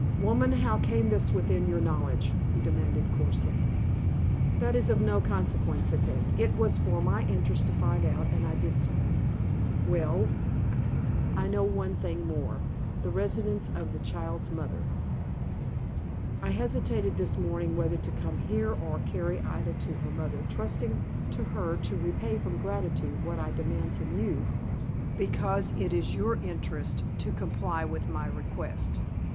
"Woman, how came this within your knowledge?" he demanded, coarsely. "That is of no consequence," said Peg. "It was for my interest to find out, and I did so." "Well?" "I know one thing more the residence of the child's mother. I hesitated this morning whether to come here, or carry Ida to her mother, trusting to her to repay from gratitude what I demand from you, because it is your interest to comply with my request."